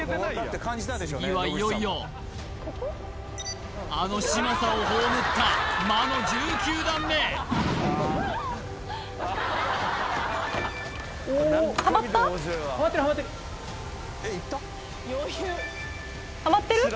次はいよいよあの嶋佐を葬った魔の１９段目ハマってるハマってるハマってる？